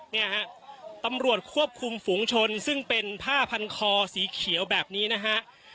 เนี่ยฮะตำรวจควบคุมฝุงชนซึ่งเป็นผ้าพันคอสีเขียวแบบนี้นะฮะ